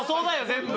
全部。